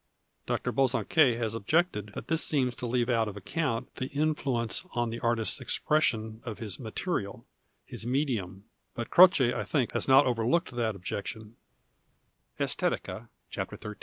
Dr. BosaiKiuct has objected that this seems to leave out of account the influence on the artist's expression of his material, his medium, but Crocc, I think, has not overlooked that objection C'Estetica," Ch. XIII.